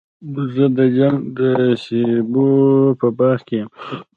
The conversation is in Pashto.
زه د چنګۍ د سېبو په باغ کي یم.